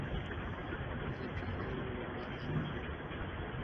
زه پنځه وروڼه لرم